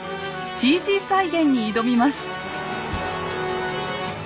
ＣＧ再現に挑みます。